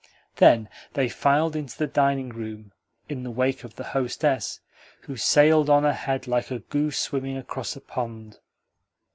Then they filed into the dining room in the wake of the hostess, who sailed on ahead like a goose swimming across a pond.